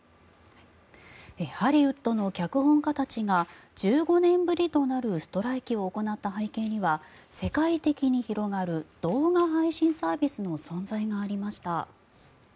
ハリウッドの脚本家たちが１５年ぶりとなるストライキを行った背景には世界的に広がる動画配信サービスの存在がありました。